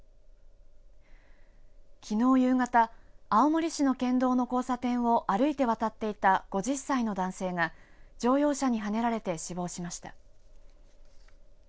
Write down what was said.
きのう夕方、青森市の県道の交差点を歩いて渡っていた５０歳の男性が乗用車にはねられて死亡しました。